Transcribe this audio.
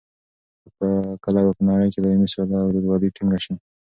کله به په نړۍ کې دایمي سوله او رورولي ټینګه شي؟